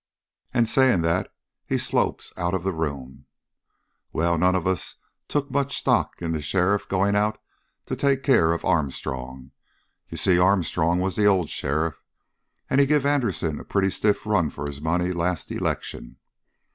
"And saying that he slopes out of the room. "Well, none of us took much stock in the sheriff going out to take care of Armstrong. You see Armstrong was the old sheriff, and he give Anderson a pretty stiff run for his money last election.